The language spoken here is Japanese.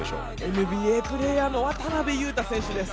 ＮＢＡプレーヤーの渡邊雄太選手です。